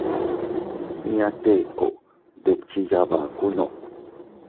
Nñia Teko dukchi yabakunno.